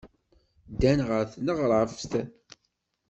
Ddan ɣer tneɣraft.